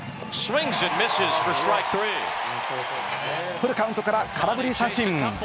フルカウントから空振り三振。